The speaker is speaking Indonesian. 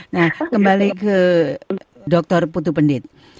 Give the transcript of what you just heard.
nah kembali ke dokter putu pendit